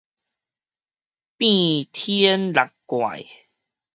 變顛搦怪